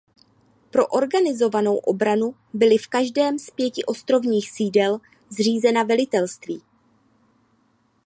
Pro organizovanou obranu byli v každém z pěti ostrovních sídel zřízena velitelství.